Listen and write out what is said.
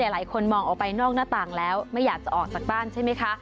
หลายคนมองออกไปนอกหน้าต่างแล้วไม่อยากจะออกจากบ้านใช่ไหมคะ